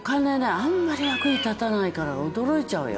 あんまり役に立たないから驚いちゃうよ。